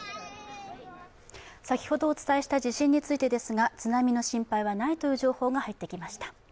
先ほどお伝えした地震についてですが津波の心配はないという情報が入ってきました。